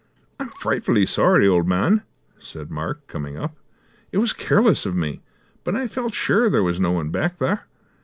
"I'm frightfully sorry, old man," said Mark, coming up; "it was careless of me, but I felt sure there was no one back there.